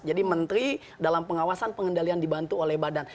jadi menteri dalam pengawasan pengendalian dibantu oleh badan